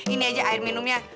ini aja air minumnya